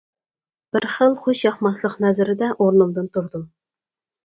بىر خىل خوش ياقماسلىق نەزىرىدە ئورنۇمدىن تۇردۇم.